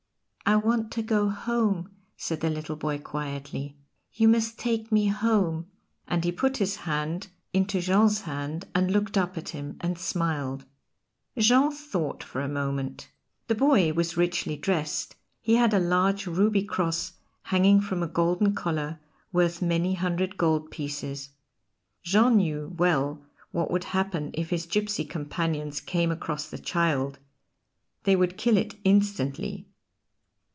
"I want to go home," said the little boy quietly. "You must take me home," and he put his hand into Jean's hand and looked up at him and smiled. Jean thought for a moment. The boy was richly dressed; he had a large ruby cross hanging from a golden collar worth many hundred gold pieces. Jean knew well what would happen if his gipsy companions came across the child. They would kill it instantly.